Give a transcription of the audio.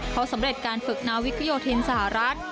เขาสำเร็จการฝึกนาวิกโยธินสหรัฐ